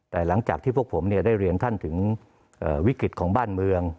แต่หลังจากที่พวกผมได้เรียนท่านถึงวิกฤตของบ้านเมือง